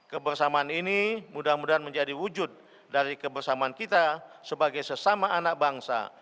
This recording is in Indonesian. kebersamaan ini mudah mudahan menjadi wujud dari kebersamaan kita sebagai sesama anak bangsa